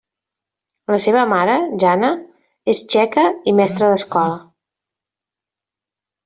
La seva mare, Jana, és txeca i mestra d'escola.